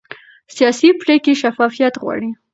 سیاسي پرېکړې شفافیت غواړي